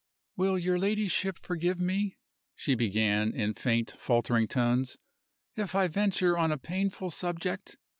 "Will your ladyship forgive me," she began, in faint, faltering tones, "if I venture on a painful subject?